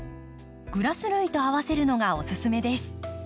グラス類と合わせるのがおすすめです。